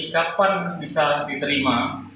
kapan bisa diterima